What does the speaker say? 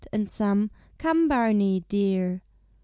And some, "Come, Barney, dear."